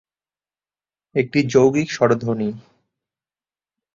একটি যৌগিক স্বরধ্বনি।